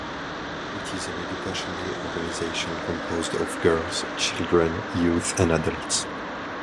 It is an educational organization composed of girls, children, youth and adults.